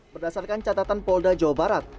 berdasarkan catatan polda jawa barat